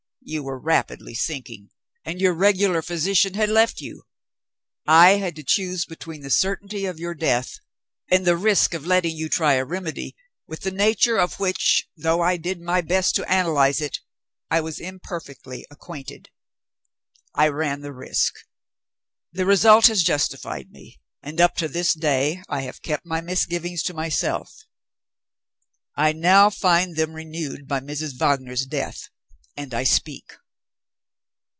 You were rapidly sinking; and your regular physician had left you. I had to choose between the certainty of your death, and the risk of letting you try a remedy, with the nature of which (though I did my best to analyze it) I was imperfectly acquainted. I ran the risk. The result has justified me and up to this day, I have kept my misgivings to myself. I now find them renewed by Mrs. Wagner's death and I speak."